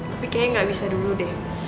tapi kayaknya nggak bisa dulu deh